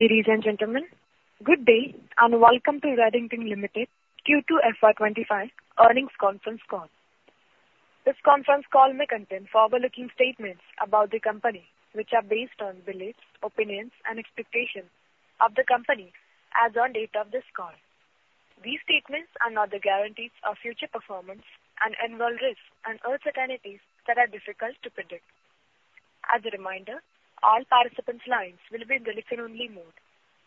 Ladies and gentlemen, good day and welcome to Redington Limited Q2 FY25 Earnings Conference Call. This conference call may contain forward-looking statements about the company, which are based on beliefs, opinions, and expectations of the company as of date of this call. These statements are not the guarantees of future performance and involve risks and uncertainties that are difficult to predict. As a reminder, all participants' lines will be in the listen-only mode,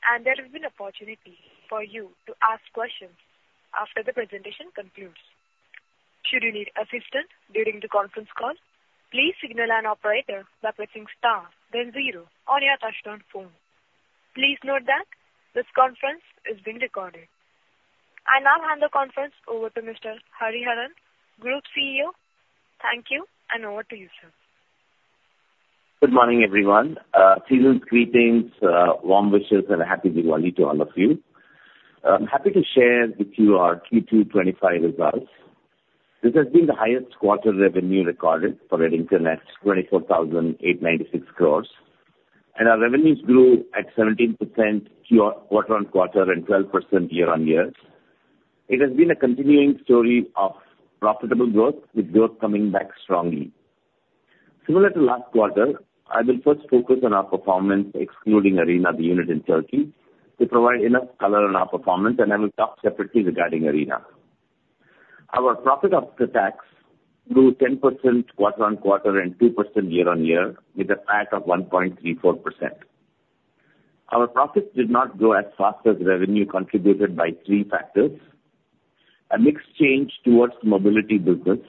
and there will be an opportunity for you to ask questions after the presentation concludes. Should you need assistance during the conference call, please signal an operator by pressing star then zero on your touch-tone phone. Please note that this conference is being recorded. I now hand the conference over to Mr. Hariharan, Group CEO. Thank you, and over to you, sir. Good morning, everyone. Festive greetings, warm wishes, and a happy Diwali to all of you. I'm happy to share with you our Q2 2025 results. This has been the highest quarter revenue recorded for Redington, at 24,896 crores, and our revenues grew at 17% quarter on quarter and 12% year on year. It has been a continuing story of profitable growth, with growth coming back strongly. Similar to last quarter, I will first focus on our performance, excluding Arena, the unit in Turkey, to provide enough color on our performance, and I will talk separately regarding Arena. Our profit after tax grew 10% quarter on quarter and 2% year on year, with a PAT of 1.34%. Our profits did not grow as fast as revenue contributed by three factors: a mix change towards mobility business,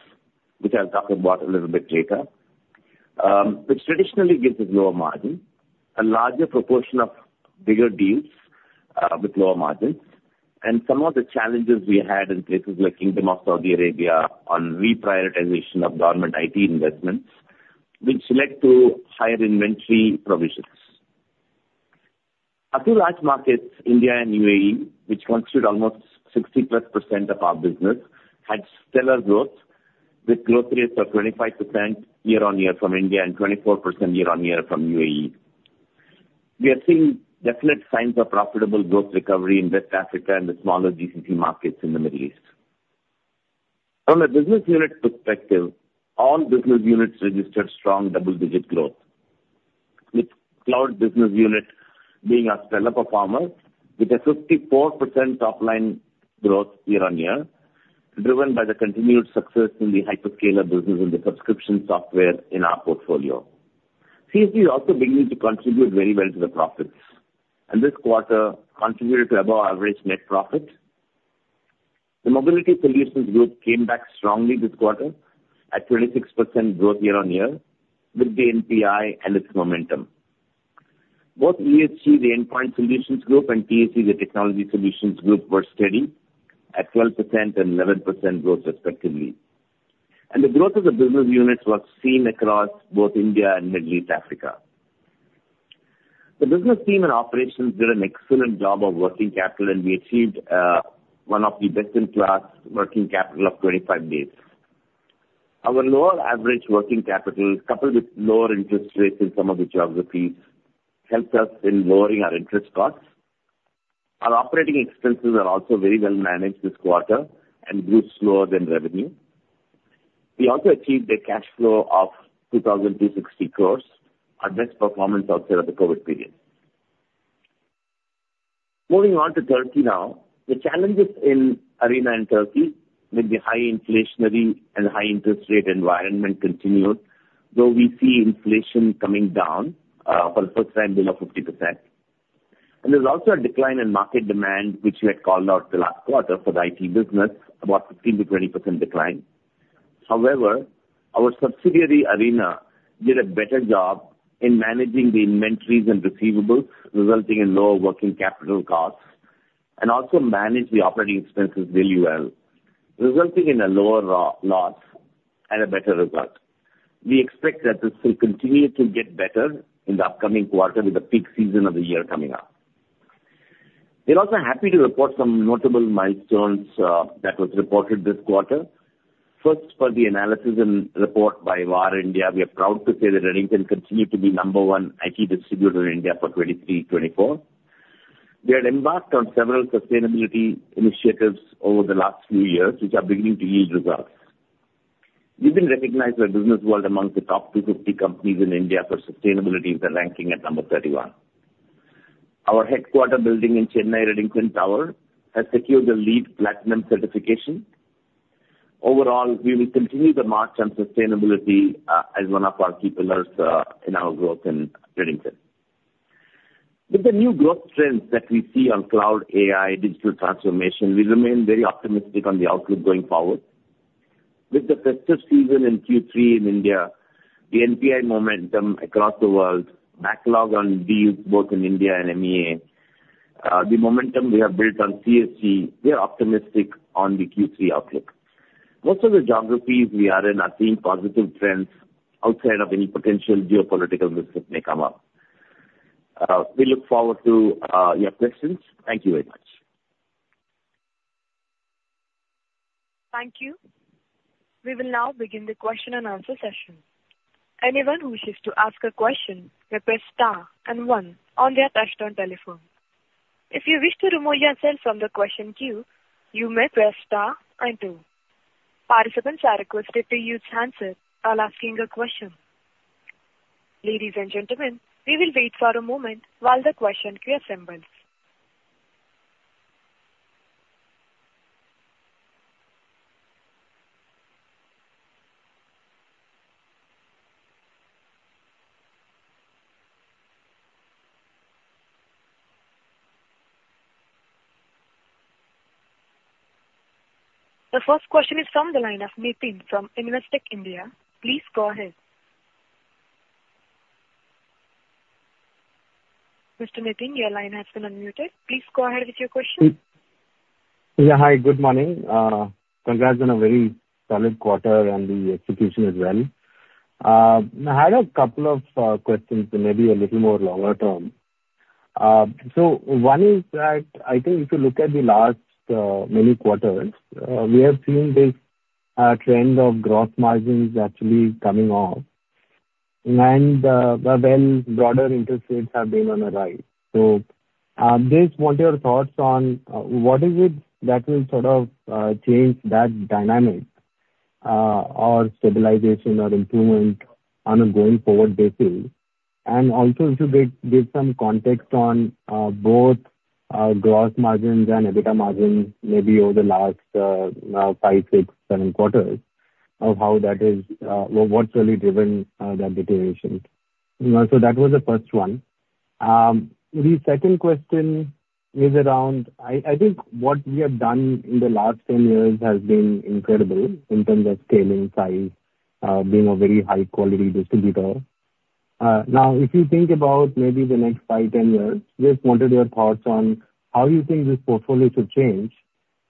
which I'll talk about a little bit later, which traditionally gives us lower margins, a larger proportion of bigger deals with lower margins, and some of the challenges we had in places like Kingdom of Saudi Arabia on reprioritization of government IT investments, which led to higher inventory provisions. Other large markets, India and UAE, which constituted almost 60-plus% of our business, had stellar growth, with growth rates of 25% year on year from India and 24% year on year from UAE. We are seeing definite signs of profitable growth recovery in West Africa and the smaller GCC markets in the Middle East. From a business unit perspective, all business units registered strong double-digit growth, with Cloud business unit being our stellar performer, with a 54% top-line growth year on year, driven by the continued success in the hyperscaler business and the subscription software in our portfolio. CSG is also beginning to contribute very well to the profits, and this quarter contributed to above-average net profit. The Mobility Solutions Group came back strongly this quarter at 26% growth year on year, with the NPI and its momentum. Both ESG, the Endpoint Solutions Group, and TSG, the Technology Solutions Group, were steady at 12% and 11% growth, respectively. And the growth of the business units was seen across both India and Middle East and Africa. The business team and operations did an excellent job of working capital, and we achieved one of the best-in-class working capital of 25 days. Our lower average working capital, coupled with lower interest rates in some of the geographies, helped us in lowering our interest costs. Our operating expenses are also very well managed this quarter and grew slower than revenue. We also achieved a cash flow of 2,260 crores, our best performance outside of the COVID period. Moving on to Turkey now, the challenges in Arena and Turkey, with the high inflationary and high interest rate environment, continued, though we see inflation coming down for the first time below 50%, and there's also a decline in market demand, which we had called out the last quarter for the IT business, about 15%-20% decline. However, our subsidiary Arena did a better job in managing the inventories and receivables, resulting in lower working capital costs, and also managed the operating expenses really well, resulting in a lower loss and a better result. We expect that this will continue to get better in the upcoming quarter, with the peak season of the year coming up. We're also happy to report some notable milestones that were reported this quarter. First, for the analysis and report by VARINDIA, we are proud to say that Redington continued to be number one IT distributor in India for 2023-2024. We had embarked on several sustainability initiatives over the last few years, which are beginning to yield results. We've been recognized by Businessworld amongst the top 250 companies in India for sustainability, with a ranking at number 31. Our headquarters building in Chennai, Redington Tower, has secured the LEED Platinum certification. Overall, we will continue the march on sustainability as one of our key pillars in our growth in Redington. With the new growth trends that we see on Cloud, AI, and digital transformation, we remain very optimistic on the outlook going forward. With the festive season in Q3 in India, the NPI momentum across the world, backlog on deals both in India and MEA, the momentum we have built on CSG, we are optimistic on the Q3 outlook. Most of the geographies we are in are seeing positive trends outside of any potential geopolitical risks that may come up. We look forward to your questions. Thank you very much. Thank you. We will now begin the Q&A session. Anyone who wishes to ask a question may press star and one on their touch-tone telephone. If you wish to remove yourself from the question queue, you may press star and two. Participants are requested to use handsets while asking a question. Ladies and gentlemen, we will wait for a moment while the question queue assembles. The first question is from the line of Nitin from Investec India. Please go ahead. Mr. Nitin, your line has been unmuted. Please go ahead with your question. Yeah, hi. Good morning. Congrats on a very solid quarter and the execution as well. I had a couple of questions that may be a little more longer term. So one is that I think if you look at the last many quarters, we have seen this trend of gross margins actually coming off, and while broader interest rates have been on the rise. So just want your thoughts on what is it that will sort of change that dynamic or stabilization or improvement on a going forward basis? And also, if you could give some context on both gross margins and EBITDA margins maybe over the last five, six, seven quarters of how that is, what's really driven that deterioration. So that was the first one. The second question is around, I think what you have done in the last 10 years has been incredible in terms of scaling size, being a very high-quality distributor. Now, if you think about maybe the next five, 10 years, just wanted your thoughts on how you think this portfolio should change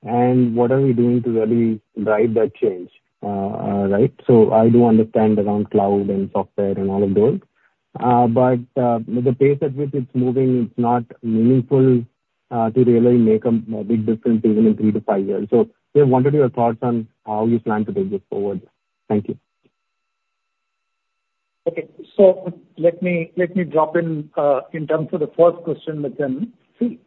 and what are we doing to really drive that change, right? So I do understand around Cloud and software and all of those, but with the pace at which it's moving, it's not meaningful to really make a big difference even in three to five years. So just wanted your thoughts on how you plan to take this forward. Thank you. Okay. So let me drop in terms of the first question, Nitin.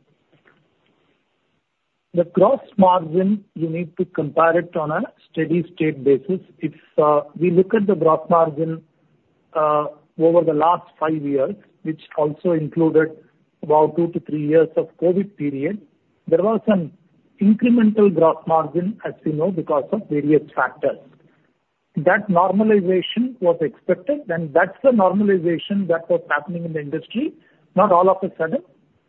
The gross margin, you need to compare it on a steady-state basis. If we look at the gross margin over the last five years, which also included about two to three years of COVID period, there was an incremental gross margin, as we know, because of various factors. That normalization was expected, and that's the normalization that was happening in the industry, not all of a sudden,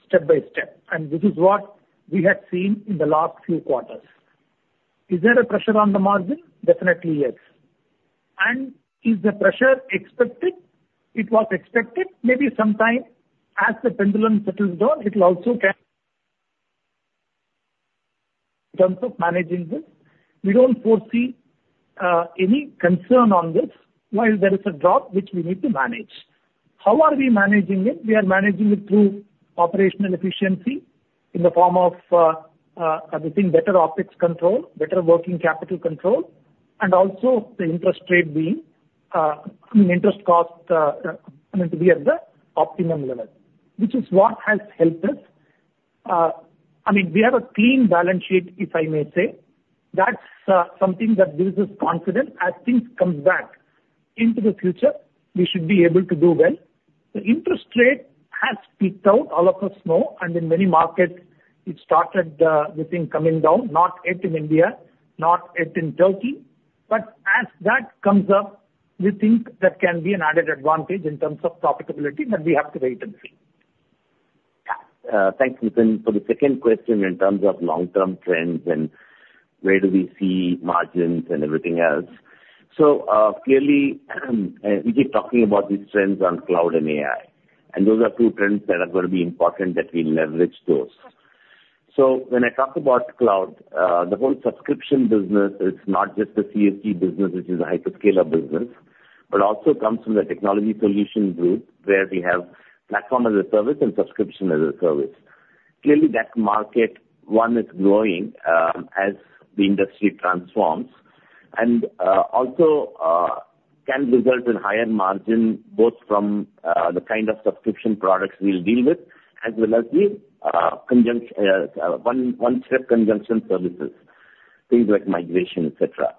step by step. And this is what we had seen in the last few quarters. Is there a pressure on the margin? Definitely, yes. And is the pressure expected? It was expected. Maybe sometime as the pendulum settles down, it will also come in terms of managing this. We don't foresee any concern on this, while there is a drop which we need to manage. How are we managing it? We are managing it through operational efficiency in the form of, I think, better OpEx control, better working capital control, and also the interest rate being, I mean, interest cost, I mean, to be at the optimum level, which is what has helped us. I mean, we have a clean balance sheet, if I may say. That's something that gives us confidence. As things come back into the future, we should be able to do well. The interest rate has peaked out, as all of us know, and in many markets, it started, we think, coming down, not yet in India, not yet in Turkey. But as that comes up, we think that can be an added advantage in terms of profitability, but we have to wait and see. Thanks, Nitin. For the second question, in terms of long-term trends and where do we see margins and everything else, so clearly, we keep talking about these trends on cloud and AI, and those are two trends that are going to be important that we leverage those. So when I talk about cloud, the whole subscription business, it's not just the CSG business, which is a hyperscaler business, but also comes from the technology solutions group where we have platform as a service and subscription as a service. Clearly, that market, one, is growing as the industry transforms and also can result in higher margin both from the kind of subscription products we'll deal with as well as the one-stop consulting services, things like migration, etc.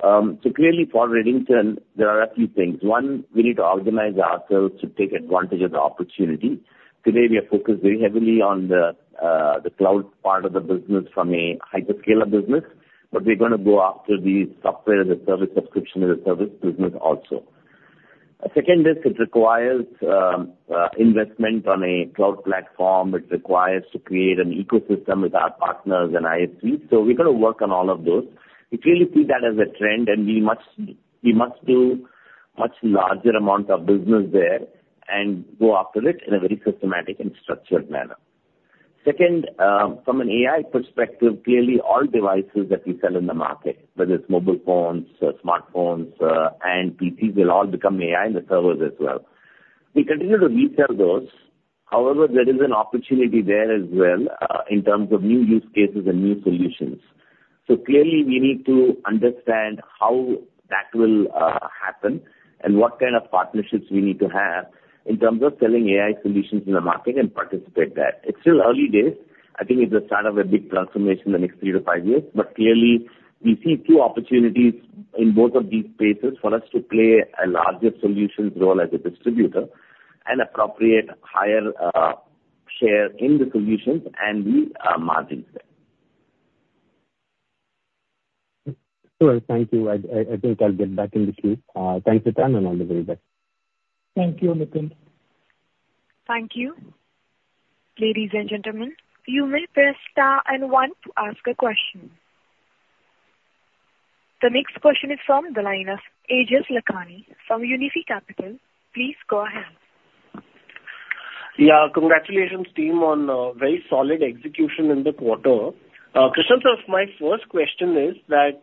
So clearly, for Redington, there are a few things. One, we need to organize ourselves to take advantage of the opportunity. Today, we are focused very heavily on the Cloud part of the business from a hyperscaler business, but we're going to go after the software as a service subscription as a service business also. Second is, it requires investment on a Cloud platform. It requires to create an ecosystem with our partners and ISVs. So we're going to work on all of those. We clearly see that as a trend, and we must do a much larger amount of business there and go after it in a very systematic and structured manner. Second, from an AI perspective, clearly, all devices that we sell in the market, whether it's mobile phones, smartphones, and PCs, will all become AI and the servers as well. We continue to resell those. However, there is an opportunity there as well in terms of new use cases and new solutions. So clearly, we need to understand how that will happen and what kind of partnerships we need to have in terms of selling AI solutions in the market and participate there. It's still early days. I think it's the start of a big transformation in the next three to five years, but clearly, we see two opportunities in both of these spaces for us to play a larger solutions role as a distributor and appropriate higher share in the solutions and the margins there. Sure. Thank you. I think I'll get back in the queue. Thanks, Nitin, and all the very best. Thank you, Nitin. Thank you. Ladies and gentlemen, you may press star and one to ask a question. The next question is from the line of Aejas Lakhani from Unifi Capital. Please go ahead. Yeah, congratulations, team, on very solid execution in the quarter. Krishnan, my first question is that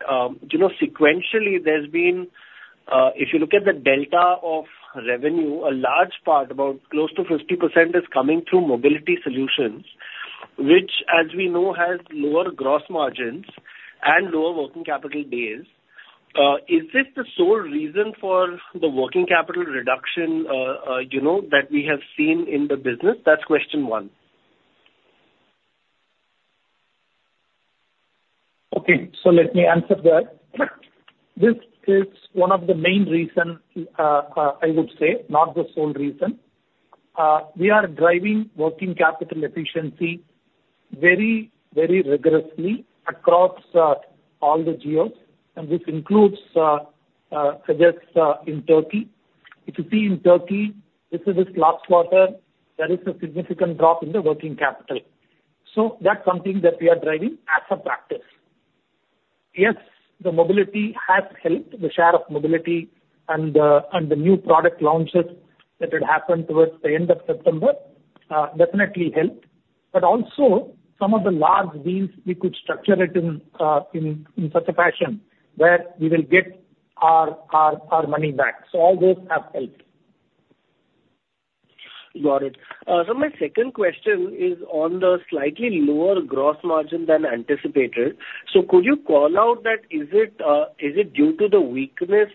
sequentially, there's been, if you look at the delta of revenue, a large part, about close to 50%, is coming through mobility solutions, which, as we know, has lower gross margins and lower working capital days. Is this the sole reason for the working capital reduction that we have seen in the business? That's question one. Okay, so let me answer that. This is one of the main reasons, I would say, not the sole reason. We are driving working capital efficiency very, very rigorously across all the geos, and this includes just in Turkey. If you see in Turkey, in this last quarter, there is a significant drop in the working capital. So that's something that we are driving as a practice. Yes, the mobility has helped. The share of mobility and the and the new product launches that had happened towards the end of September definitely helped, but also some of the large deals, we could structure it in such a fashion where we will get our our money back. So all those have helped. Got it. So my second question is on the slightly lower gross margin than anticipated. So could you call out that? Is it, is itdue to the weakness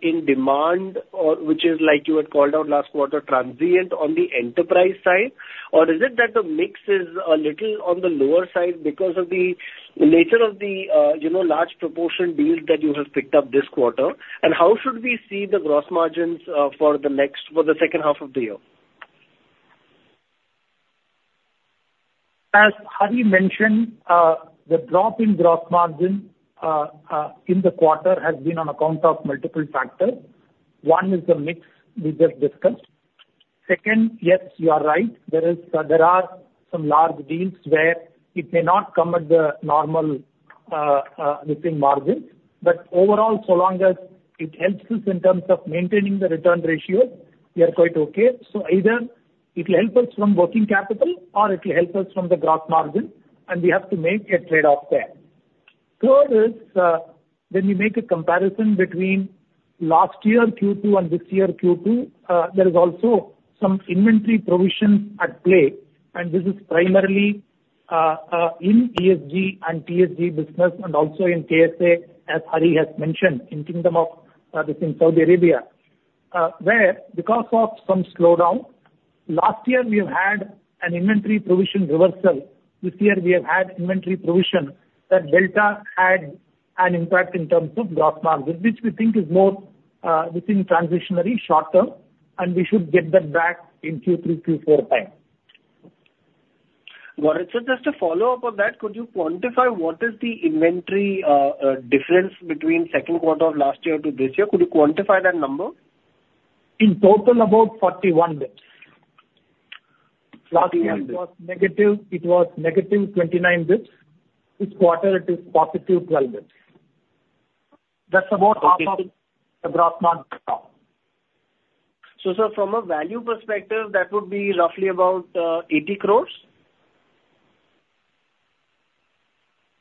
in demand, which is, like you had called out last quarter, transient on the enterprise side, or is it that the mix is a little on the lower side because of the nature of the large proportion deals that you have picked up this quarter? And how should we see the gross margins for the second half of the year? As Hari mentioned, the drop in gross margin in the quarter has been on account of multiple factors. One is the mix we just discussed. Second, yes, you are right. There are some large deals where it may not come at the normal pricing margins, but overall, so long as it helps us in terms of maintaining the return ratio, we are quite okay. So either it will help us from working capital or it will help us from the gross margin, and we have to make a trade-off there. Third is, when we make a comparison between last year Q2 and this year Q2, there is also some inventory provision at play, and this is primarily in ESG and TSG business, and also in KSA, as Hari has mentioned, in Kingdom of Saudi Arabia, where because of some slowdown, last year we have had an inventory provision reversal. This year, we have had inventory provision that delta had an impact in terms of gross margin, which we think is more within transitory short term, and we should get that back in Q3, Q4 time. Got it. So just to follow up on that, could you quantify what is the inventory difference between second quarter of last year to this year? Could you quantify that number? In total, about 41 basis points. Last year, it was negative 29 basis points. This quarter, it is positive 12 basis points. That's about half of the gross margin. So from a value perspective, that would be roughly about 80 crores?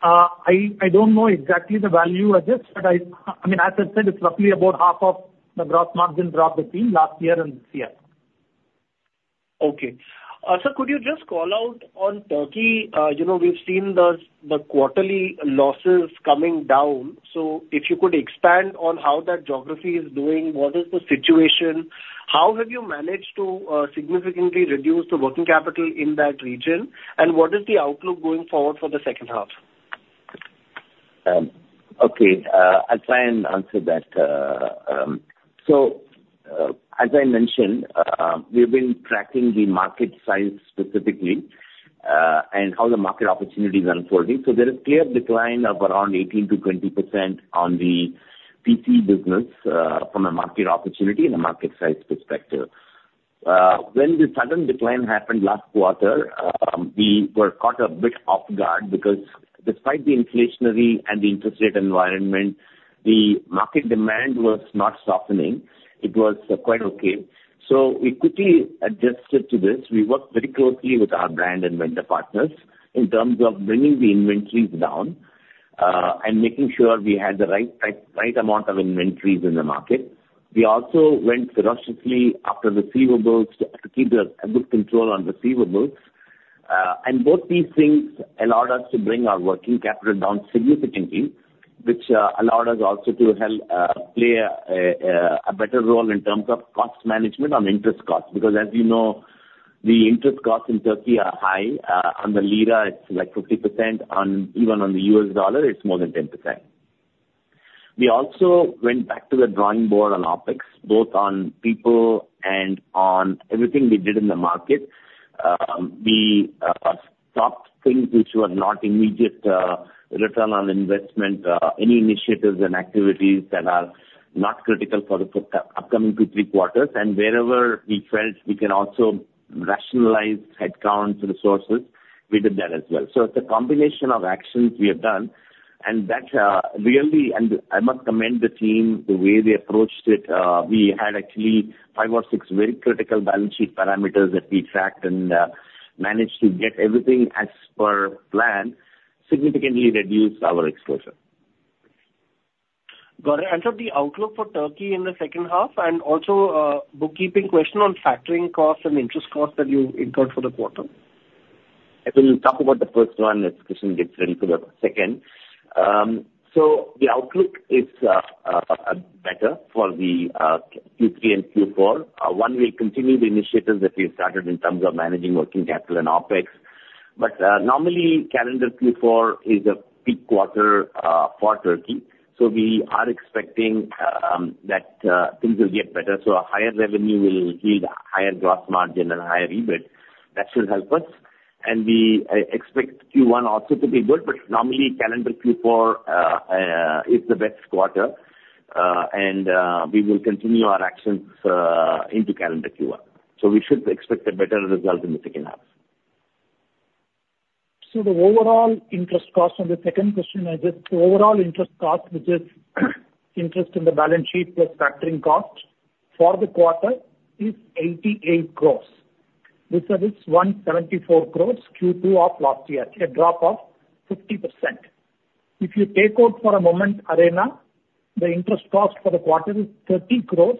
I don't know exactly the value of this, but I mean, as I said, it's roughly about half of the gross margin drop between last year and this year. Okay. So could you just call out on Turkey? We've seen the quarterly losses coming down. So if you could expand on how that geography is doing, what is the situation? How have you managed to significantly reduce the working capital in that region? And what is the outlook going forward for the second half? Okay. I'll try and answer that. So as I mentioned, we've been tracking the market size specifically and how the market opportunity is unfolding. So there is clear decline of around 18%-20% on the PC business from a market opportunity and a market size perspective. When the sudden decline happened last quarter, we were caught a bit off guard because despite the inflationary and the interest rate environment, the market demand was not softening. It was quite okay. So we quickly adjusted to this. We worked very closely with our brand and vendor partners in terms of bringing the inventories down and making sure we had the right amount of inventories in the market. We also went ferociously after receivables to keep a good control on receivables. And both these things allowed us to bring our working capital down significantly, which allowed us also to play a better role in terms of cost management on interest costs because, as you know, the interest costs in Turkey are high. On the lira, it's like 50%. Even on the U.S. dollar, it's more than 10%. We also went back to the drawing board on OpEx, both on people and on everything we did in the market. We stopped things which were not immediate return on investment, any initiatives and activities that are not critical for the upcoming two, three quarters. And wherever we felt we can also rationalize headcount resources, we did that as well. So it's a combination of actions we have done. And really, I must commend the team the way they approached it. We had actually five or six very critical balance sheet parameters that we tracked and managed to get everything as per plan, significantly reduced our exposure. Got it. And so the outlook for Turkey in the second half and also a bookkeeping question on factoring costs and interest costs that you incurred for the quarter? I will talk about the first one. It's Krishnan, get ready for the second, so the outlook is better for the Q3 and Q4. One, we'll continue the initiatives that we've started in terms of managing working capital and OpEx. But normally, calendar Q4 is a peak quarter for Turkey. So we are expecting that things will get better, so a higher revenue will yield a higher gross margin and a higher EBIT. That should help us, and we expect Q1 also to be good, but normally, calendar Q4 is the best quarter, and we will continue our actions into calendar Q1, so we should expect a better result in the second half. So the overall interest cost on the second question is just the overall interest cost, which is interest in the balance sheet plus factoring cost for the quarter, is 88 crores. This is 174 crores Q2 of last year, a drop of 50%. If you take out for a moment Arena, the interest cost for the quarter is 30 crores.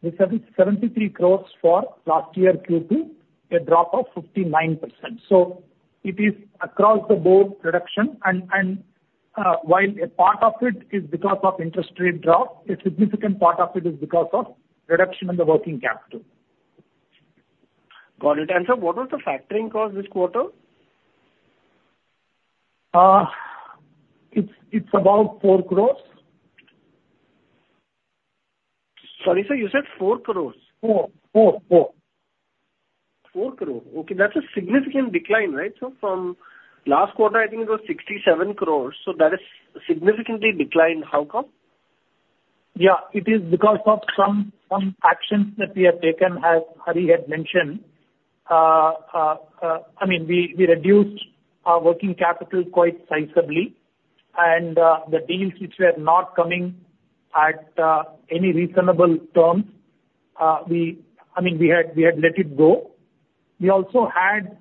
This is 73 crores for last year Q2, a drop of 59%. So it is across the board reduction. And and while a part of it is because of interest rate drop, a significant part of it is because of reduction in the working capital. Got it. And so what was the factoring cost this quarter? It's about 4 crores. Sorry, sir, you said 4 crores? 4. 4. 4 crores. Okay. That's a significant decline, right? So from last quarter, I think it was 67 crores. So that is significantly declined. How come? Yeah, it is because of some actions that we have taken, as Hari had mentioned. I mean, we reduced our working capital quite sizably, and the deals which were not coming at any reasonable terms, I mean, we had let it go. We also had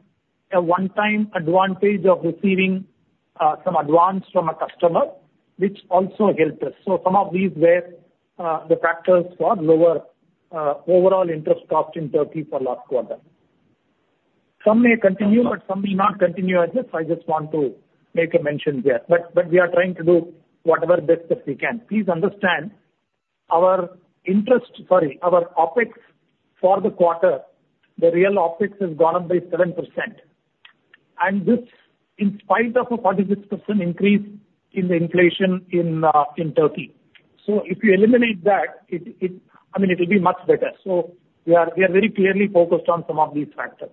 a one-time advantage of receiving some advance from a customer, which also helped us. So some of these were the factors for lower overall interest cost in Turkey for last quarter. Some may continue, but some may not continue as if. I just want to make a mention there. But we are trying to do whatever best that we can. Please understand our interest, sorry, our OpEx for the quarter, the real OpEx has gone up by 7%, and this is in spite of a 46% increase in the inflation in Turkey. So if you eliminate that, I mean, it will be much better. So we are very clearly focused on some of these factors.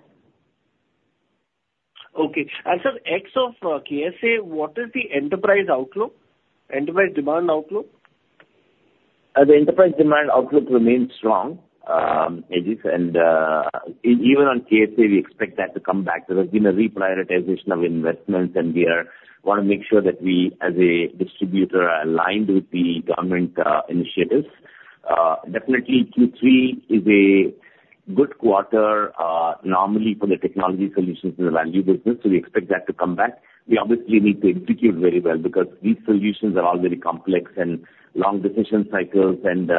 Okay. And so as for KSA, what is the enterprise outlook? Enterprise demand outlook? The enterprise demand outlook remains strong, Aejas, and even on KSA, we expect that to come back. There has been a reprioritization of investments, and we want to make sure that we, as a distributor, are aligned with the government initiatives. Definitely, Q3 is a good quarter normally for the technology solutions in the value business, so we expect that to come back. We obviously need to execute very well because these solutions are all very complex and long decision cycles, and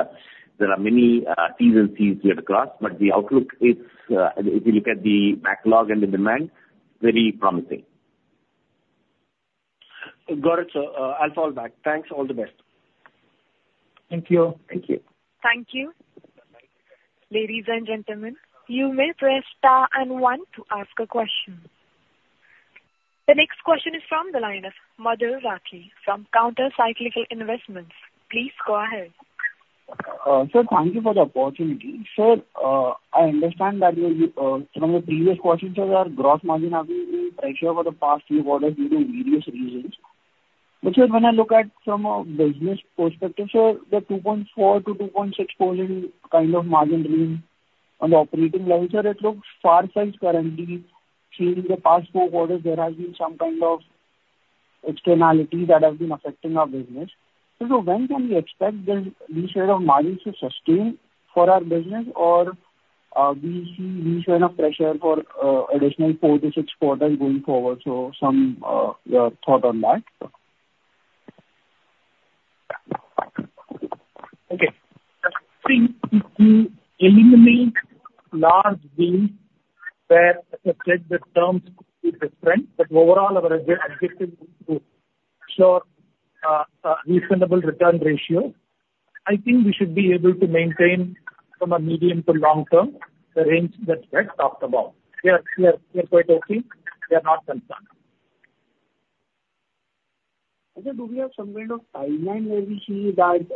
there are many T's and C's we have to cross, but the outlook is, if you look at the backlog and the demand, very promising. Got it, so I'll fall back. Thanks. All the best. Thank you. Thank you. Thank you. Ladies and gentlemen, you may press star and one to ask a question. The next question is from the line of Madhur Rathi from Counter Cyclical Investments. Please go ahead. Sir, thank you for the opportunity. Sir, I understand that from the previous questions, sir, our gross margin has been in pressure for the past few quarters due to various reasons. But sir, when I look at from a business perspective, sir, the 2.4-2.6 crores kind of margin on the operating level, sir, it looks far-fetched currently. See, in the past four quarters, there has been some kind of externalities that have been affecting our business. So when can we expect this share of margins to sustain for our business, or do we see this kind of pressure for additional four to six quarters going forward? So some thought on that. Okay. See, we eliminate large deals where the terms could be different, but overall, our objective is to ensure reasonable return ratios. I think we should be able to maintain from a medium to long term the range that we have talked about. We are quite okay. We are not concerned. Sir, do we have some kind of timeline where we see that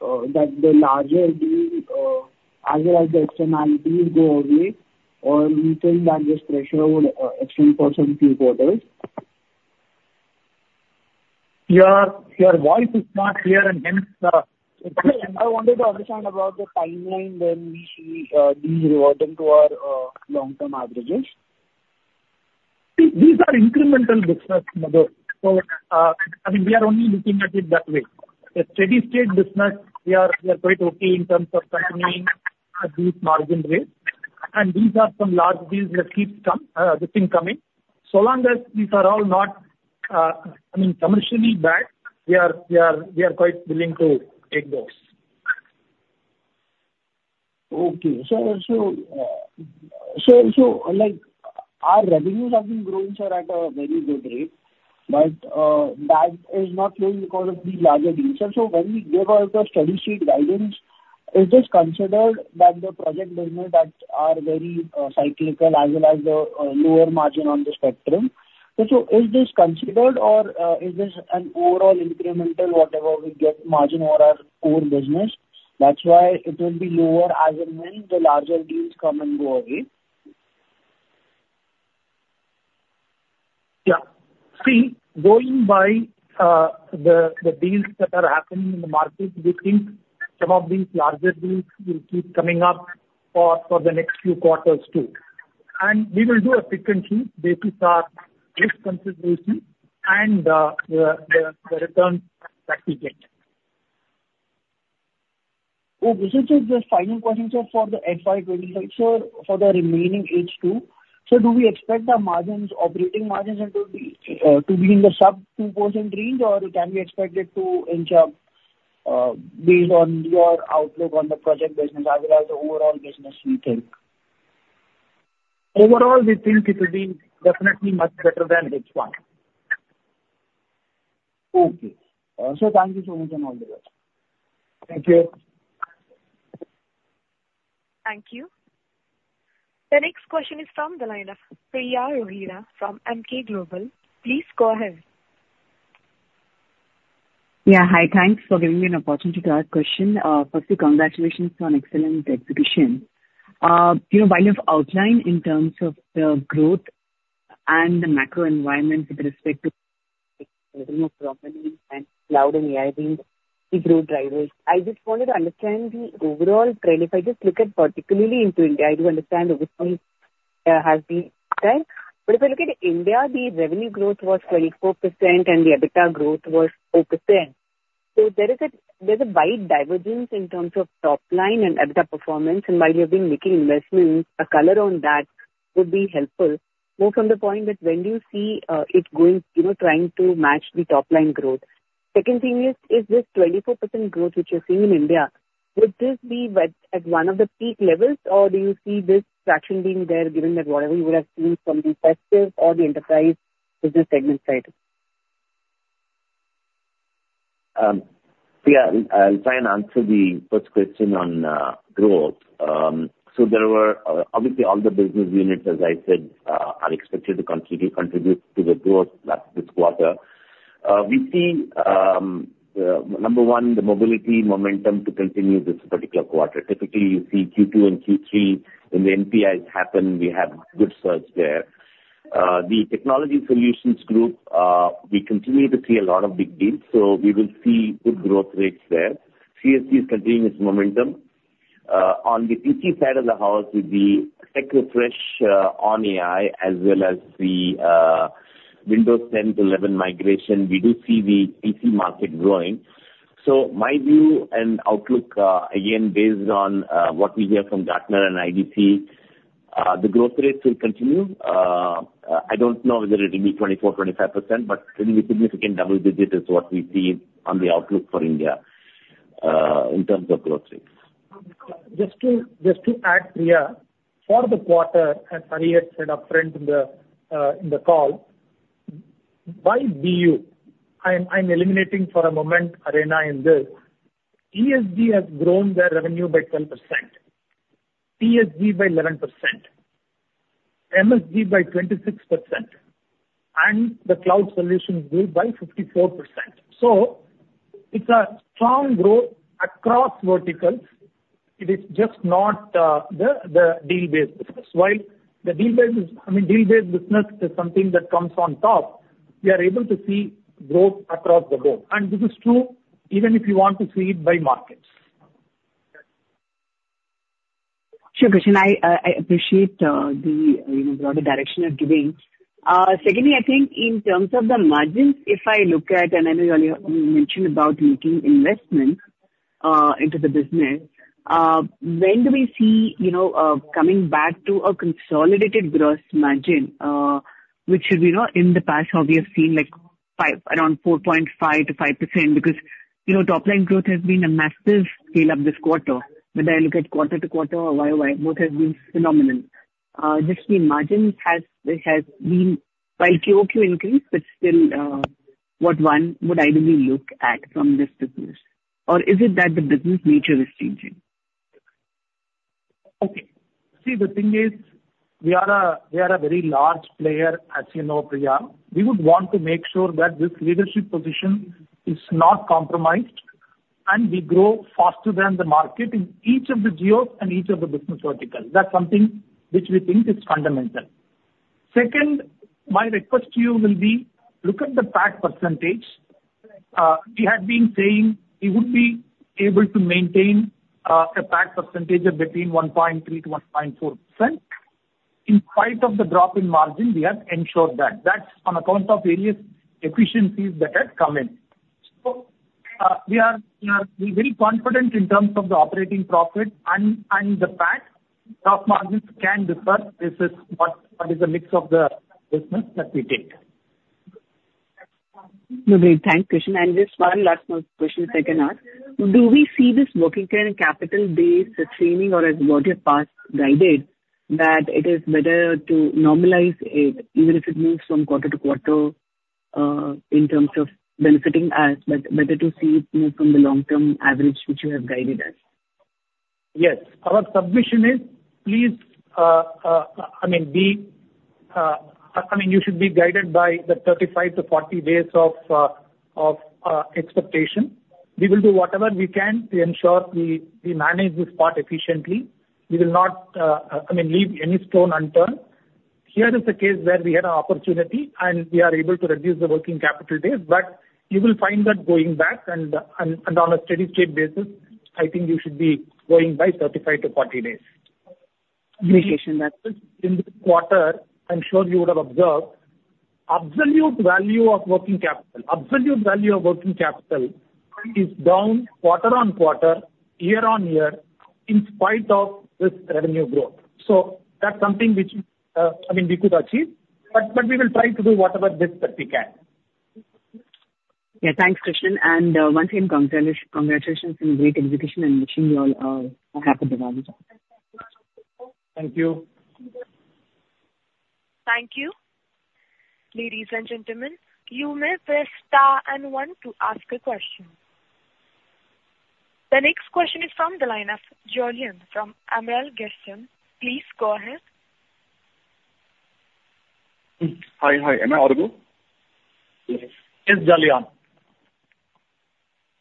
the larger deals, as well as the externalities, go away, or do you think that this pressure would extend for some few quarters? Your voice is not clear and hence. I wanted to understand about the timeline when we see these reverting to our long-term averages. These are incremental business, Madhur. I mean, we are only looking at it that way. The steady-state business, we are quite okay in terms of continuing at these margin rates, and these are some large deals that keep coming, so long as these are all not, I mean, commercially bad, we are, we are quite willing to take those. Okay. So so so our revenues have been growing, sir, at a very good rate, but that is not growing because of the larger deals. So when we give out the steady-state guidance, is this considered that the project business that are very cyclical, as well as the lower margin on the spectrum? So is this considered, or is this an overall incremental, whatever we get margin for our core business? That's why it will be lower as and when the larger deals come and go away. Yeah. See, going by the deals that are happening in the market, we think some of these larger deals will keep coming up for the next few quarters too. And we will do a pick and choose based on our risk consideration and the returns that we get. Okay, so just the final question, sir, for the XY25, sir, for the remaining H2, sir, do we expect our margins, operating margins, to be in the sub-2% range, or can we expect it to inch up based on your outlook on the project business, as well as the overall business we think? Overall, we think it will be definitely much better than H1. Okay. Sir, thank you so much for all the rest. Thank you. Thank you. The next question is from the line of Priya Rohira from Emkay Global. Please go ahead. Yeah. Hi. Thanks for giving me an opportunity to ask a question. Firstly, congratulations on excellent execution. By the outlook, in terms of the growth and the macro environment with respect to revenue growth and cloud and AI being the growth drivers, I just wanted to understand the overall trend. If I just look particularly into India, I do understand overall has been there. But if I look at India, the revenue growth was 24%, and the EBITDA growth was 4%. So there is a wide divergence in terms of top-line and EBITDA performance. And while you have been making investments, a color on that would be helpful. More from the point that when do you see it going, trying to match the top-line growth? Second thing is, is this 24% growth which you're seeing in India, would this be at one of the peak levels, or do you see this fraction being there given that whatever you would have seen from the investors or the enterprise business segment side? Yeah. I'll try and answer the first question on growth. So obviously, all the business units, as I said, are expected to continue to contribute to the growth this quarter. We see, number one, the mobility momentum to continue this particular quarter. Typically, you see Q2 and Q3 when the NPIs happen, we have good surge there. The technology solutions group, we continue to see a lot of big deals, so we will see good growth rates there. CSG is continuing its momentum. On the PC side of the house, with the tech refresh on AI, as well as the Windows 10 to 11 migration, we do see the PC market growing. So my view and outlook, again, based on what we hear from Gartner and IDC, the growth rates will continue. I don't know whether it will be 24%-25%, but it will be significant double digits is what we see on the outlook for India in terms of growth rates. Just to, just to add, Priya, for the quarter, as Hari had said upfront in the call, by BU, I'm eliminating for a moment Arena in this, ESG has grown their revenue by 12%, TSG by 11%, MSG by 26%, and the Cloud Solutions Group by 54%. So it's a strong growth across verticals. It is just not the deal-based business. While the deal-based, I mean, deal-based business is something that comes on top, we are able to see growth across the board. And this is true even if you want to see it by markets. Sure, Krishnan. I appreciate the broader direction you're giving. Secondly, I think in terms of the margins, if I look at, and I know you already mentioned about making investments into the business, when do we see, you know, coming back to a consolidated gross margin, which should be in the past, how we have seen around 4.5%-5%? Because top-line growth has been a massive scale-up this quarter. When I look at quarter to quarter, YOY, both have been phenomenal. Just the margins have been, while QOQ increased, but still, what one would ideally look at from this business? Or is it that the business nature is changing? Okay. See, the thing is, we are a very large player, as you know, Priya. We would want to make sure that this leadership position is not compromised, and we grow faster than the market in each of the geos and each of the business verticals. That's something which we think is fundamental. Second, my request to you will be, look at the PAT percentage. We have been saying we would be able to maintain a PAT percentage of between 1.3%-1.4%. In spite of the drop in margin, we have ensured that. That's on account of various efficiencies that have come in. So we are very confident in terms of the operating profit and the PAT. Gross margins can differ. This is what is the mix of the business that we take. Lovely. Thank you, Krishnan. And just one last question if I can ask. Do we see this working capital-based trending, or as what you have guided, that it is better to normalize it even if it moves from quarter to quarter in terms of benefiting us, but better to see it move from the long-term average which you have guided us? Yes. Our submission is, please, I mean, you should be guided by the 35 to 40 days of expectation. We will do whatever we can to ensure we manage this part efficiently. We will not, I mean, leave any stone unturned. Here is a case where we had an opportunity, and we are able to reduce the working capital days, but you will find that going back, and on a steady-state basis, I think you should be going by 35 to 40 days. Appreciation that. In this quarter, I'm sure you would have observed absolute value of working capital. Absolute value of working capital is down quarter on quarter, year on year, in spite of this revenue growth. So that's something which, I mean, we could achieve, but we will try to do whatever it is that we can. Yeah. Thanks, Krishnan. And once again, congratulations on great execution, and wishing you all a happy development. Thank you. Thank you. Ladies and gentlemen, you may press star and one to ask a question. The next question is from the line of Julien from Amiral Gestion. Please go ahead. Hi. Hi. Am I audible? Yes, Julien.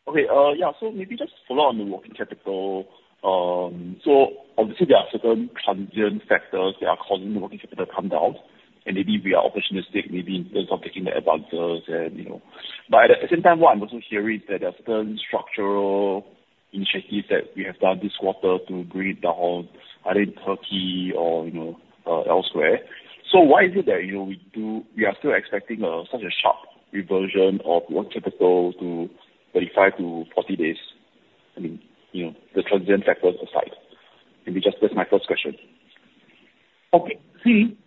Okay. Yeah. So maybe just follow on the working capital. So obviously, there are certain transient factors that are causing the working capital to come down, and maybe we are opportunistic, maybe in terms of taking the advantage. But at the same time, what I'm also hearing is that there are certain structural initiatives that we have done this quarter to bring it down, either in Turkey or elsewhere. So why is it that we are still expecting such a sharp reversion of working capital to 35-40 days? I mean, the transient factors aside. Maybe just that's my first question. Okay. See,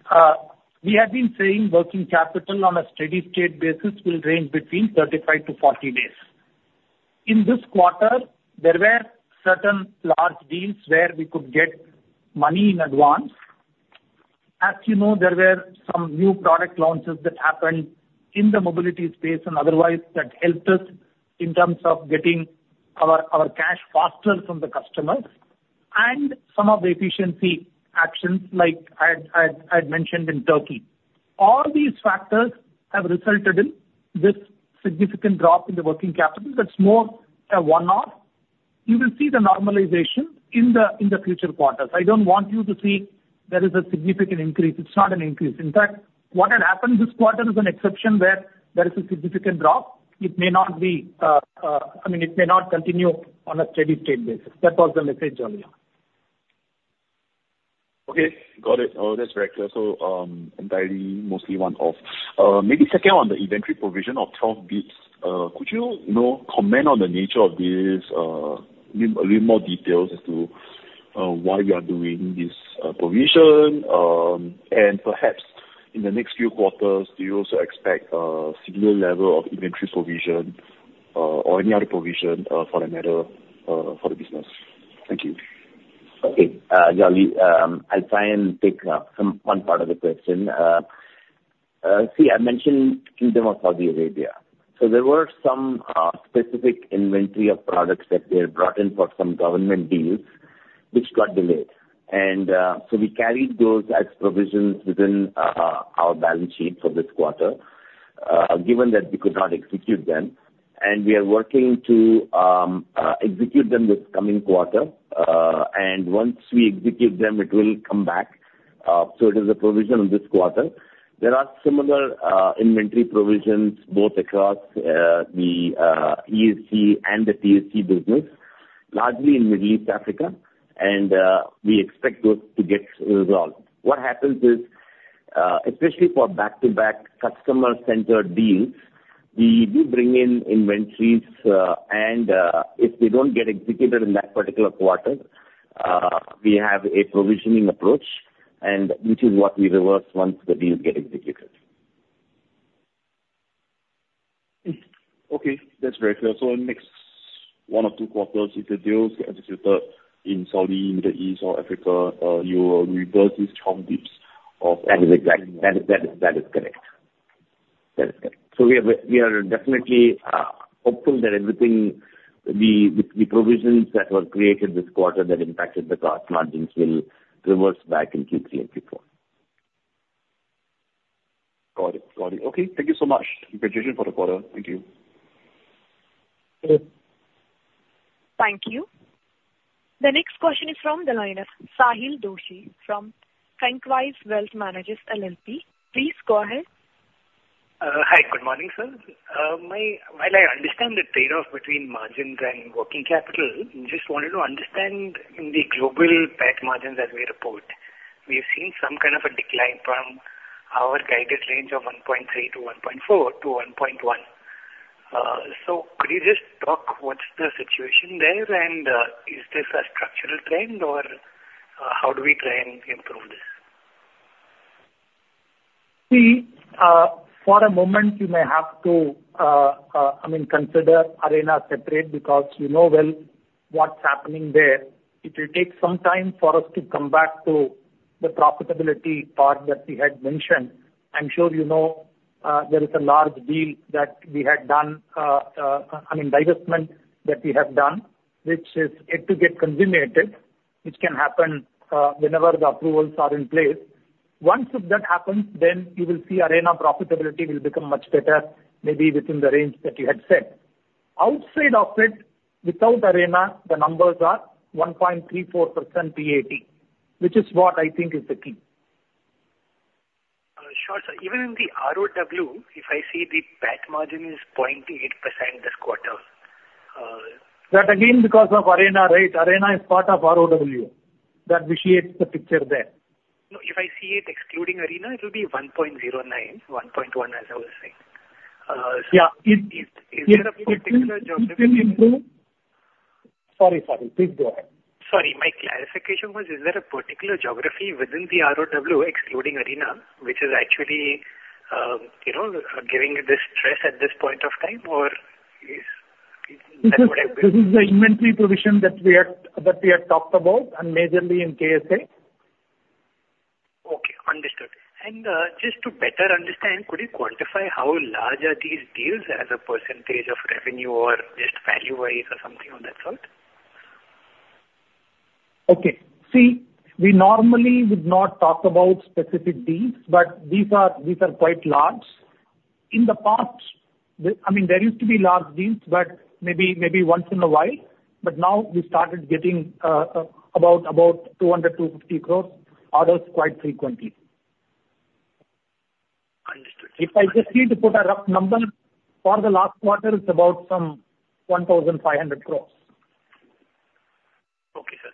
we have been saying working capital on a steady-state basis will range between 35 to 40 days. In this quarter, there were certain large deals where we could get money in advance. As you know, there were some new product launches that happened in the mobility space and otherwise that helped us in terms of getting our our cash faster from the customers, and some of the efficiency actions, like I had mentioned in Turkey. All these factors have resulted in this significant drop in the working capital. That's more a one-off. You will see the normalization in the future quarters. I don't want you to see there is a significant increase. It's not an increase. In fact, what had happened this quarter is an exception where there is a significant drop. I mean, it may not continue on a steady-state basis. That was the message earlier. Okay. Got it. Oh, that's very clear. So entirely mostly one-off. Maybe second on the inventory provision of 12 basis points, could you comment on the nature of this in a little more detail as to why you are doing this provision? And perhaps in the next few quarters, do you also expect a similar level of inventory provision or any other provision for the matter for the business? Thank you. Okay. Julien, I'll try and take one part of the question. See, I mentioned Kingdom of Saudi Arabia. So there were some specific inventory of products that were brought in for some government deals which got delayed, and so we carried those as provisions within our balance sheet for this quarter, given that we could not execute them and we are working to execute them this coming quarter and once we execute them, it will come back, so it is a provision of this quarter. There are similar inventory provisions both across the ESG and the TSG business, largely in Middle East Africa, and we expect those to get resolved. What happens is, especially for back-to-back customer-centered deals, we do bring in inventories, and if they don't get executed in that particular quarter, we have a provisioning approach, which is what we reverse once the deals get executed. Okay. That's very clear. So in the next one or two quarters, if the deals get executed in Saudi, Middle East, or Africa, you will reverse these 12 beats of. That is exactly. That is correct. That is correct. So we are definitely hopeful that the provisions that were created this quarter that impacted the gross margins will reverse back in Q3 and Q4. Got it. Got it. Okay. Thank you so much. Congratulations for the quarter. Thank you. Thank you. The next question is from the line of Sahil Doshi from Thinqwise Wealth Managers LLP. Please go ahead. Hi. Good morning, sir. While I understand the trade-off between margins and working capital, I just wanted to understand the global PAT margins that we report. We have seen some kind of a decline from our guided range of 1.3 to 1.4 to 1.1. So could you just talk what's the situation there, and is this a structural trend, or how do we try and improve this? See, for a moment, you may have to, I mean, consider Arena separate because you know well what's happening there. It will take some time for us to come back to the profitability part that we had mentioned. I'm sure you know there is a large deal that we had done, I mean, divestment that we have done, which is yet to get consummated, which can happen whenever the approvals are in place. Once that happens, then you will see Arena profitability will become much better, maybe within the range that you had said. Outside of it, without Arena, the numbers are 1.34% PAT, which is what I think is the key. Sure. So even in the ROW, if I see the PAT margin is 0.8% this quarter. That again because of Arena, right? Arena is part of ROW. That paints the picture there. No. If I see it excluding Arena, it will be 1.09, 1.1, as I was saying. Is there a particular geography? Sorry, Sahil. Please go ahead. Sorry. My clarification was, is there a particular geography within the ROW excluding Arena, which is actually giving this stress at this point of time, or that would have been? This is the inventory provision that we had talked about, and majorly in KSA. Okay. Understood. And just to better understand, could you quantify how large are these deals as a percentage of revenue or just value-wise or something on that side? Okay. See, we normally would not talk about specific deals, but these are quite large. In the past, I mean, there used to be large deals, but maybe once in a while. But now we started getting about 200-250 crores orders quite frequently. Understood. If I just need to put a rough number, for the last quarter, it's about some 1,500 crores. Okay, sir.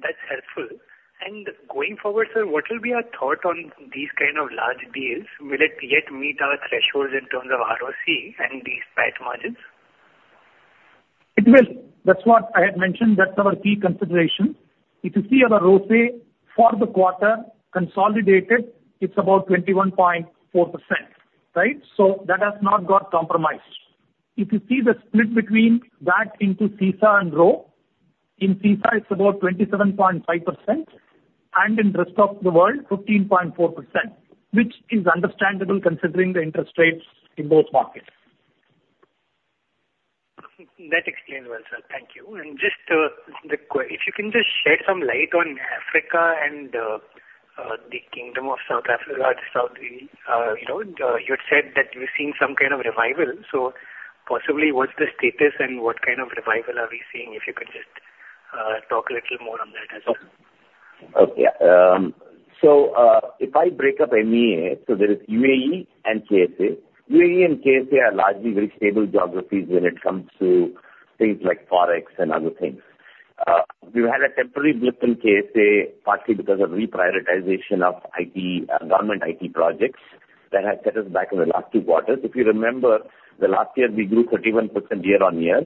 That's helpful. And going forward, sir, what will be our thought on these kind of large deals? Will it yet meet our thresholds in terms of ROC and these PAT margins? It will. That's what I had mentioned. That's our key consideration. If you see our ROC for the quarter consolidated, it's about 21.4%, right? So that has not got compromised. If you see the split between that into SISA and ROW, in SISA, it's about 27.5%, and in the rest of the world, 15.4%, which is understandable considering the interest rates in both markets. That explains well, sir. Thank you. And just a quick question. If you can just shed some light on Africa and the Kingdom of Saudi Arabia, you had said that you've seen some kind of revival. So possibly, what's the status, and what kind of revival are we seeing? If you could just talk a little more on that as well. Okay. So if I break up MEA, so there is UAE and KSA. UAE and KSA are largely very stable geographies when it comes to things like forex and other things. We've had a temporary blip in KSA partly because of reprioritization of government IT projects that have set us back in the last two quarters. If you remember, the last year, we grew 31% year on year,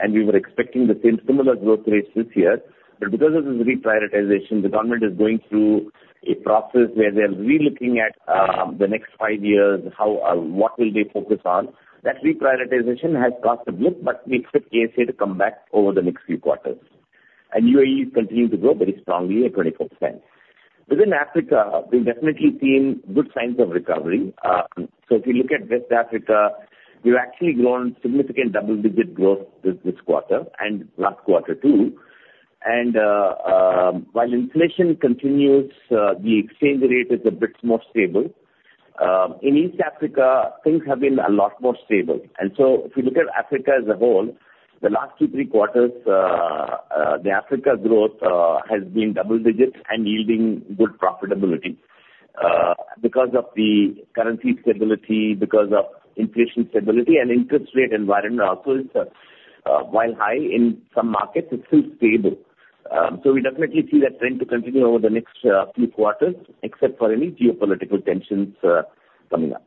and we were expecting the same similar growth rates this year. But because of this reprioritization, the government is going through a process where they're relooking at the next five years, what will they focus on. That reprioritization has caused a blip, but we expect KSA to come back over the next few quarters, and UAE continued to grow very strongly at 24%. Within Africa, we've definitely seen good signs of recovery. If you look at West Africa, we've actually grown significant double-digit growth this quarter and last quarter too. While inflation continues, the exchange rate is a bit more stable. In East Africa, things have been a lot more stable. And so, if you look at Africa as a whole, the last two, three quarters, the Africa growth has been double-digit and yielding good profitability because of the currency stability, because of inflation stability, and interest rate environment also is, while high in some markets, still stable. We definitely see that trend to continue over the next few quarters, except for any geopolitical tensions coming up.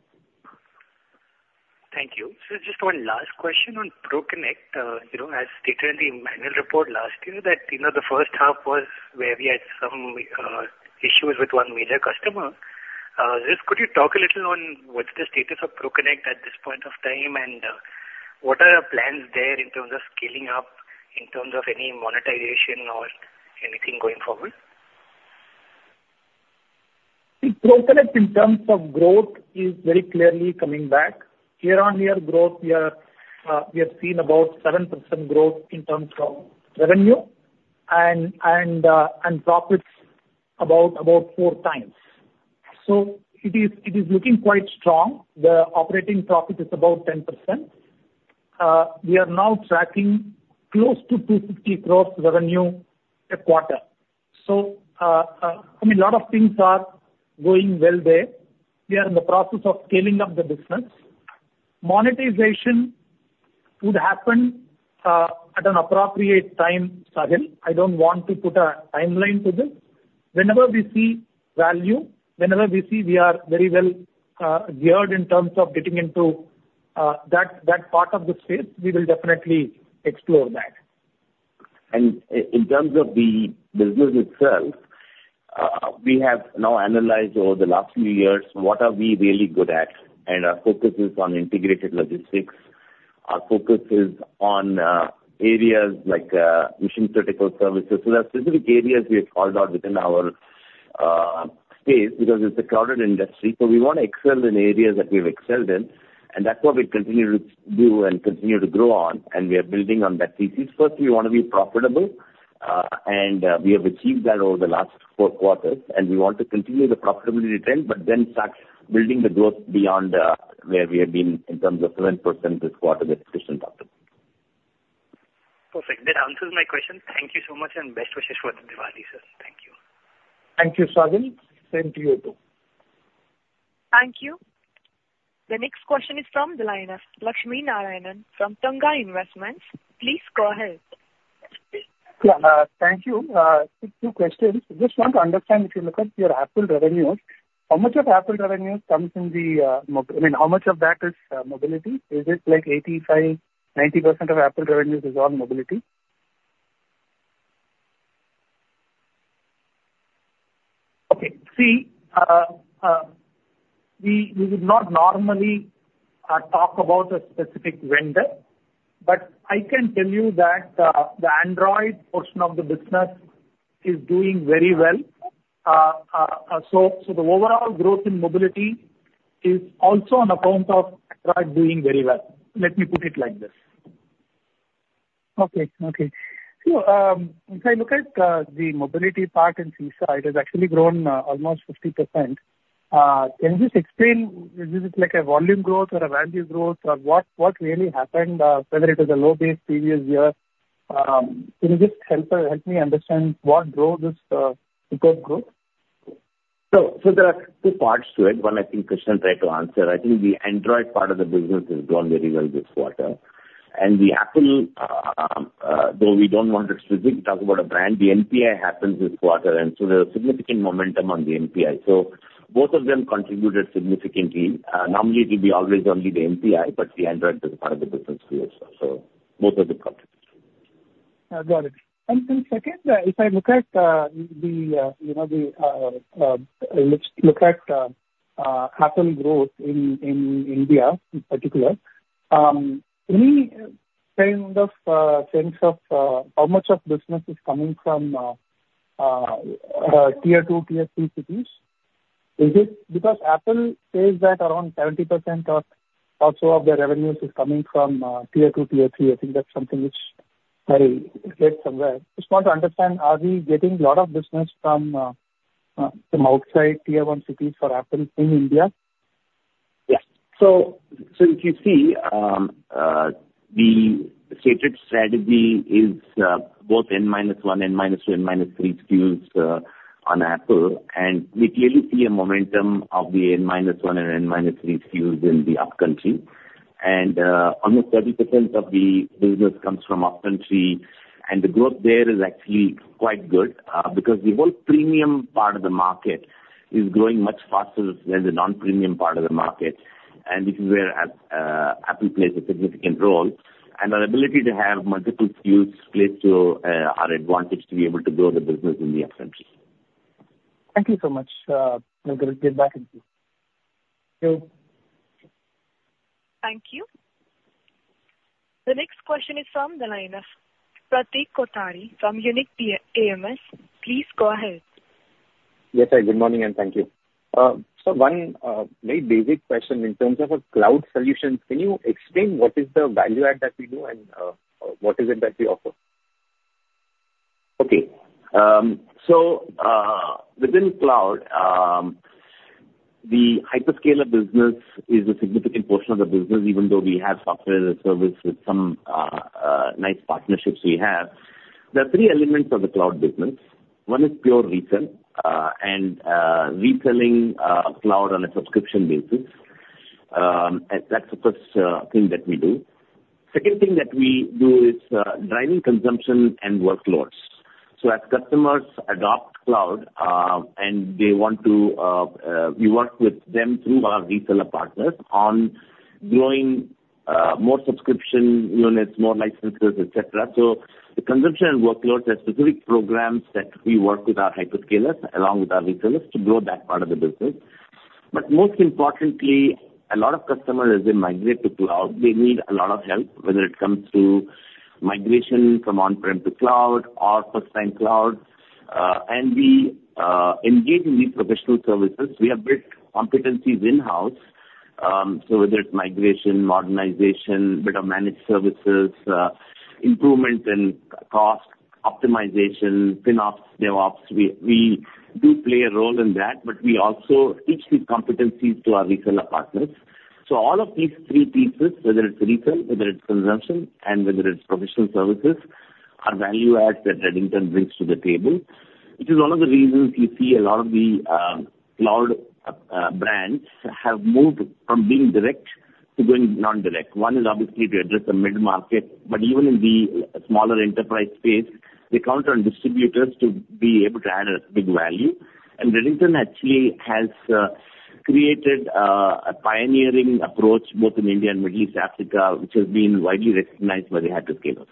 Thank you. So just one last question on ProConnect. As stated in the annual report last year, that the first half was where we had some issues with one major customer. Just could you talk a little on what's the status of ProConnect at this point of time, and what are our plans there in terms of scaling up, in terms of any monetization or anything going forward? See, ProConnect in terms of growth is very clearly coming back. Year on year growth, we have seen about 7% growth in terms of revenue and and and profits, about four times. So it is looking quite strong. The operating profit is about 10%. We are now tracking close to 250 crores revenue a quarter. So I mean, a lot of things are going well there. We are in the process of scaling up the business. Monetization would happen at an appropriate time, Sahil. I don't want to put a timeline to this. Whenever we see value, whenever we see we are very well geared in terms of getting into that part of the space, we will definitely explore that. And in terms of the business itself, we have now analyzed over the last few years what are we really good at, and our focus is on integrated logistics. Our focus is on areas like mission-critical services. So there are specific areas we have called out within our space because it's a crowded industry. So we want to excel in areas that we've excelled in, and that's what we continue to do and continue to grow on, and we are building on that thesis. First, we want to be profitable, and we have achieved that over the last four quarters, and we want to continue the profitability trend, but then start building the growth beyond where we have been in terms of 7% this quarter with efficient OpEx. Perfect. That answers my question. Thank you so much and best wishes for the dividend, sir. Thank you. Thank you, Sahil. Same to you too. Thank you. The next question is from the line of Lakshmi Narayanan from Tunga Investments. Please go ahead. Yeah. Thank you. Two questions. Just want to understand if you look at your Apple revenues, how much of Apple revenues comes in the I mean, how much of that is mobility? Is it like 85%-90% of Apple revenues is all mobility? Okay. See, we would not normally talk about a specific vendor, but I can tell you that the Android portion of the business is doing very well. So the overall growth in mobility is also on account of Android doing very well. Let me put it like this. Okay. Okay. So if I look at the mobility part in SISA, it has actually grown almost 50%. Can you just explain if this is like a volume growth or a value growth or what really happened, whether it was a low base previous year? Can you just help me understand what drove this good growth? So there are two parts to it. One, I think Krishnan tried to answer. I think the Android part of the business has grown very well this quarter, and the Apple, though we don't want to specifically talk about a brand, the NPI happens this quarter, and so there was significant momentum on the NPI. So both of them contributed significantly. Normally, it would be always only the NPI, but the Android is part of the business too as well. So both of them contributed. Got it. And then second, if I look at Apple growth in in India in particular, any kind of sense of how much of business is coming from Tier 2, Tier 3 cities? Is it because Apple says that around 70% or so of their revenues is coming from Tier 2, Tier 3? I think that's something which I read somewhere. Just want to understand, are we getting a lot of business from outside Tier 1 cities for Apple in India? Yes. So if you see, the Citrix strategy is both N-1, N-2, and N-3 SKUs on Apple, and we clearly see a momentum of the N-1 and N-3 SKUs in the upcountry. And almost 30% of the business comes from upcountry, and the growth there is actually quite good because the whole premium part of the market is growing much faster than the non-premium part of the market. And this is where Apple plays a significant role. And our ability to have multiple SKUs plays to our advantage to be able to grow the business in the upcountry. Thank you so much. I'll get back to you. Thank you. Thank you. The next question is from the line of Pratik Kothari from Unique AMC. Please go ahead. Yes, sir. Good morning and thank you. So one very basic question. In terms of cloud solutions, can you explain what is the value add that we do and what is it that we offer? Okay. So within Cloud, the hyperscaler business is a significant portion of the business, even though we have software as a service with some nice partnerships we have. There are three elements of the Cloud business. One is pure resell and reselling Cloud on a subscription basis. That's the first thing that we do. Second thing that we do is driving consumption and workloads. So as customers adopt Cloud and they want to, we work with them through our reseller partners on growing more subscription units, more licenses, etc. So the consumption and workloads have specific programs that we work with our hyperscalers along with our resellers to grow that part of the business. But most importantly, a lot of customers, as they migrate to cloud, they need a lot of help, whether it comes to migration from on-prem to cloud or first-time Cloud. And we engage in these professional services. We have built competencies in-house. So whether it's migration, modernization, better managed services, improvement in cost optimization, FinOps, DevOps, we do play a role in that, but we also teach these competencies to our reseller partners. So all of these three pieces, whether it's resell, whether it's consumption, and whether it's professional services, are value adds that Redington brings to the table. This is one of the reasons you see a lot of the Cloud brands have moved from being direct to going non-direct. One is obviously to address the mid-market, but even in the smaller enterprise space, they count on distributors to be able to add a big value. Redington actually has created a pioneering approach both in India and Middle East Africa, which has been widely recognized by the hyperscalers.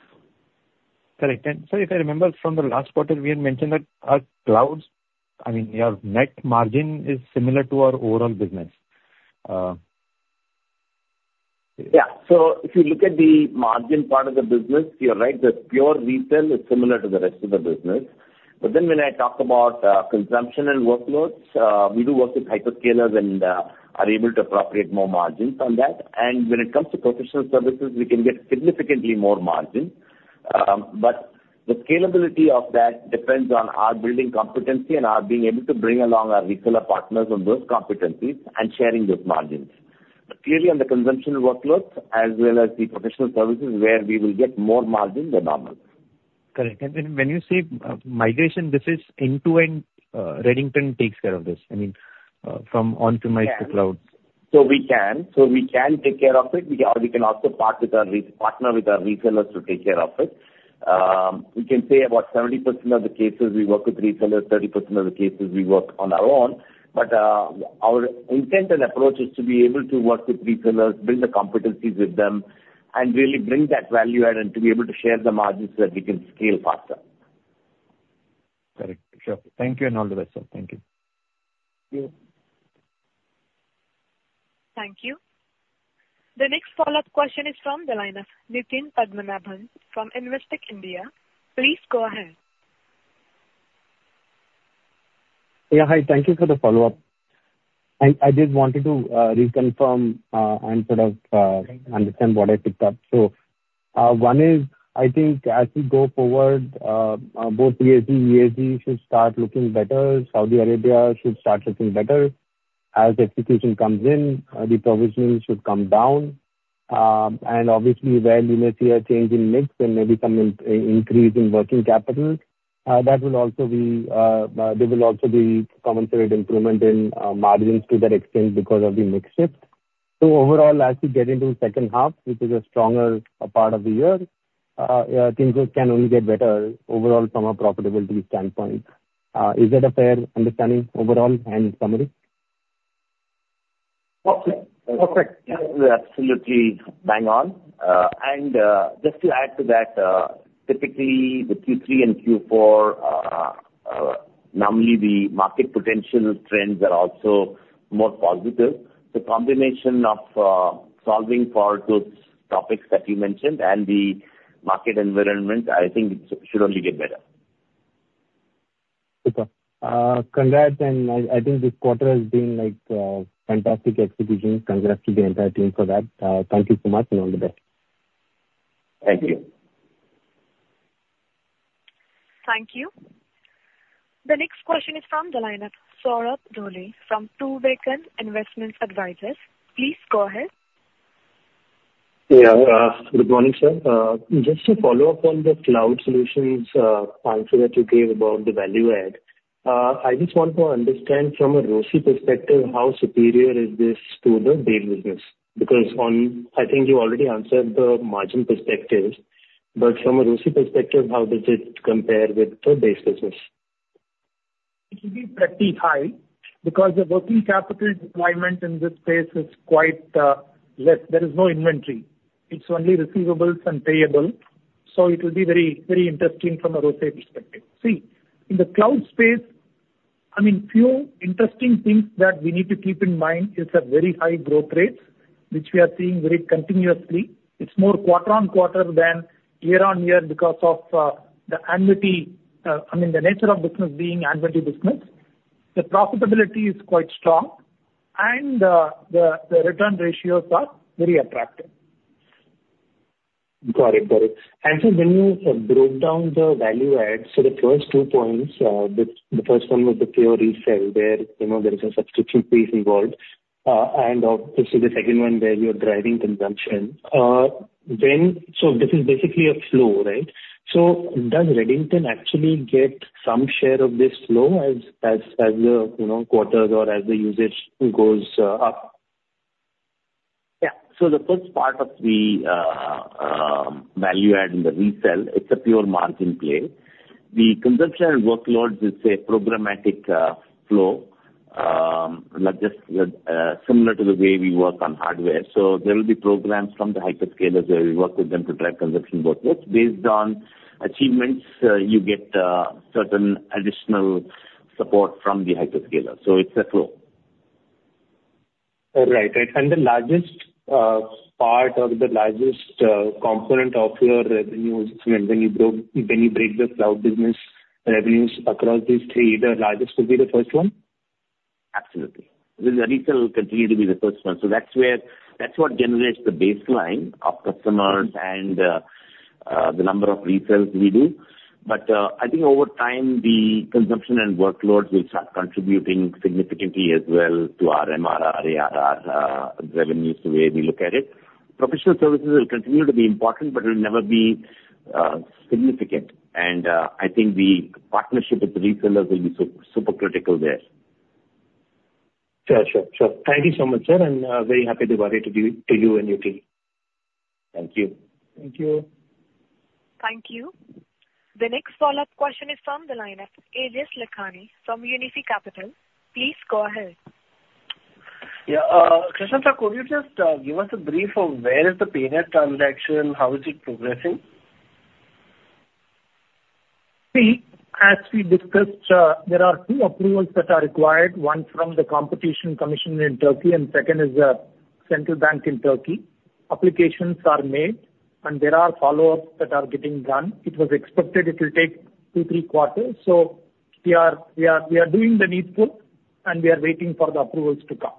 Correct. And, sorry, if I remember, from the last quarter, we had mentioned that our Clouds, I mean, our net margin is similar to our overall business. Yeah. So if you look at the margin part of the business, you're right. The pure resell is similar to the rest of the business. But then when I talk about consumption and workloads, we do work with hyperscalers and are able to appropriate more margins on that. And when it comes to professional services, we can get significantly more margin. But the scalability of that depends on our building competency and our being able to bring along our reseller partners on those competencies and sharing those margins. Clearly, on the consumption workloads, as well as the professional services, where we will get more margin than normal. Correct. And when you say migration, this is end-to-end, Redington takes care of this, I mean, from on-premise to cloud? Yes. So we can. So we can take care of it. We can also partner with our resellers to take care of it. We can say about 70% of the cases, we work with resellers, 30% of the cases, we work on our own. But our intent and approach is to be able to work with resellers, build the competencies with them, and really bring that value add and to be able to share the margins so that we can scale faster. Got it. Sure. Thank you and all the best, sir. Thank you. Thank you. Thank you. The next follow-up question is from the line of Nitin Padmanabhan from Investec India. Please go ahead. Yeah. Hi. Thank you for the follow-up. I just wanted to reconfirm and sort of understand what I picked up. So one is, I think as we go forward, both ESG and MSG should start looking better. Saudi Arabia should start looking better as execution comes in. The provisioning should come down. And obviously, when you may see a change in mix and maybe some increase in working capital, that will also be compensated by improvement in margins to that extent because of the mix shift. So overall, as we get into the second half, which is a stronger part of the year, things can only get better overall from a profitability standpoint. Is that a fair understanding overall and summary? Perfect. Absolutely bang on. And just to add to that, typically, with Q3 and Q4, normally the market potential trends are also more positive. The combination of solving for those topics that you mentioned and the market environment, I think it should only get better. Super. Congrats. And I think this quarter has been fantastic execution. Congrats to the entire team for that. Thank you so much and all the best. Thank you. Thank you. The next question is from the line of Saurabh Dohle from True Beacon Investment Advisors. Please go ahead. Yeah. Good morning, sir. Just to follow up on the cloud solutions answer that you gave about the value add, I just want to understand from a ROCE perspective, how superior is this to the base business? Because I think you already answered the margin perspective, but from a ROCE perspective, how does it compare with the base business? It will be pretty high because the working capital deployment in this space is quite less. There is no inventory. It's only receivables and payables. So it will be very interesting from a ROCE perspective. See, in the cloud space, I mean, few interesting things that we need to keep in mind is a very high growth rate, which we are seeing very continuously. It's more quarter on quarter than year on year because of the annuity I mean, the nature of business being annuity business. The profitability is quite strong, and the the return ratios are very attractive. Got it. Got it. And so, when you broke down the value add, so the first two points, the first one was the pure resell where there is a subscription piece involved, and obviously the second one where you're driving consumption. So this is basically a flow, right? So does Redington actually get some share of this flow as the quarters or as the usage goes up? Yeah. So the first part of the value add in the resell, it's a pure margin play. The consumption workloads is a programmatic flow, similar to the way we work on hardware. So there will be programs from the hyperscalers where we work with them to drive consumption workloads. Based on achievements, you get certain additional support from the hyperscalers. So it's a flow. Right. Right. The largest part or the largest component of your revenues, when you break the cloud business revenues across these three, the largest would be the first one? Absolutely. The resell will continue to be the first one. That's what generates the baseline of customers and the number of resells we do. I think over time, the consumption and workloads will start contributing significantly as well to our MRR, ARR revenues the way we look at it. Professional services will continue to be important, but it will never be significant. And I think the partnership with the resellers will be super critical there. Gotcha. Sure. Thank you so much, sir, and very happy to be speaking to you and your team. Thank you. Thank you. Thank you. The next follow-up question is from the line of Aejas Lakhani from Unifi Capital. Please go ahead. Yeah. S. V. Krishnan, could you just give us a brief of where is the Paynet transaction? How is it progressing? See, as we discussed, there are two approvals that are required, one from the Competition Commission in Turkey and second is the Central Bank in Turkey. Applications are made, and there are follow-ups that are getting done. It was expected it will take two, three quarters. So we are doing the needful, and we are waiting for the approvals to come.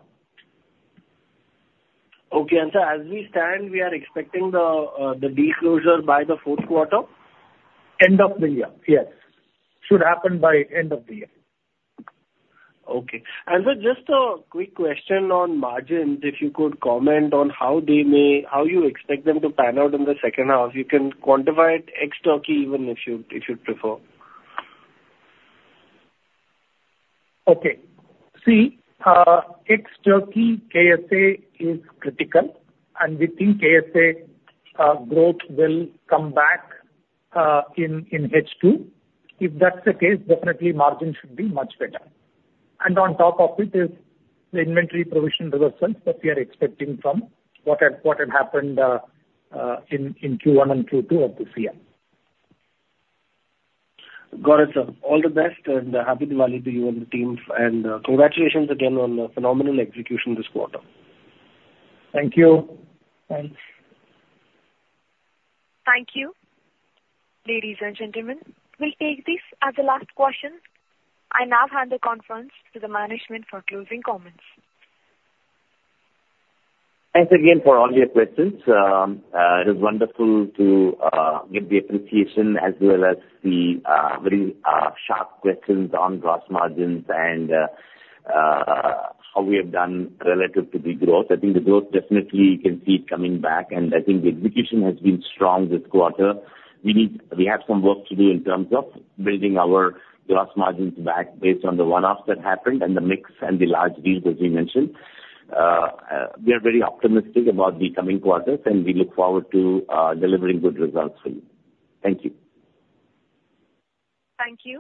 Okay. And so, as we stand, we are expecting the disclosure by the fourth quarter? End of the year, yes. Should happen by end of the year. Okay. And so, just a quick question on margins, if you could comment on how you expect them to pan out in the second half. You can quantify it ex Turkey even if you prefer. Okay. See, ex Turkey, KSA is critical, and we think KSA growth will come back in H2. If that's the case, definitely margin should be much better, and on top of it is the inventory provision reversals that we are expecting from what had happened in Q1 and Q2 of this year. Got it, sir. All the best, and happy Diwali to you and the team, and congratulations again on the phenomenal execution this quarter. Thank you. Thanks. Thank you, ladies and gentlemen. We'll take this as the last question. I now hand the conference to the management for closing comments. Thanks again for all your questions. It was wonderful to get the appreciation as well as the very sharp questions on gross margins and how we have done relative to the growth. I think the growth definitely can see it coming back, and I think the execution has been strong this quarter. We have some work to do in terms of building our gross margins back based on the one-offs that happened and the mix and the large deals, as you mentioned. We are very optimistic about the coming quarters, and we look forward to delivering good results for you. Thank you. Thank you.